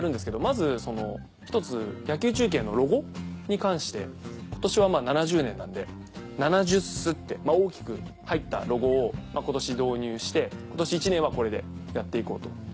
まずそのひとつ野球中継のロゴに関して今年は７０年なんで「７０ｔｈ」って大きく入ったロゴを今年導入して今年１年はこれでやっていこうと。